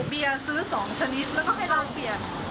เบียร์ซื้อ๒ชนิดแล้วก็ไม่ต้องเปลี่ยน